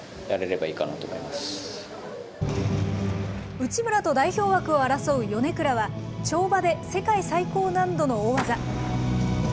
内村と代表枠を争う米倉は、跳馬で世界最高難度の大技。